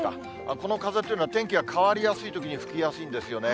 この風というのは、天気が変わりやすいときに吹きやすいんですよね。